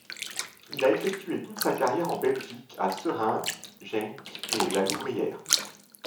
Il a effectué toute sa carrière en Belgique, à Seraing, Genk et La Louvière.